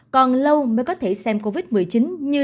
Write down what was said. còn lâu mới có thể xem covid một mươi chín như là một bệnh đặc hữu